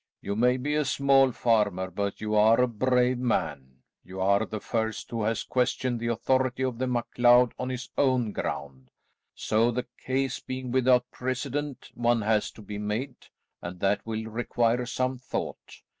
you may be a small farmer, but you are a brave man. You are the first who has questioned the authority of the MacLeod on his own ground. So the case being without precedent, one has to be made, and that will require some thought.